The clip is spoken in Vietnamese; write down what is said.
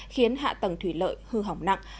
khiến hạ tầng thủy lợi hư hỏng nặng